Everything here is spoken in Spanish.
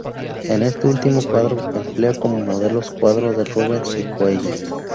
En este último cuadro emplea como modelos cuadros de Rubens y Coello.